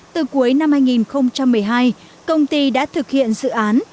từ cuối năm hai nghìn một mươi hai công ty đã thực hiện dự án